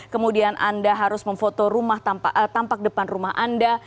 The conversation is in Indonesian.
kemudian anda harus memfoto rumah tampak depan rumah anda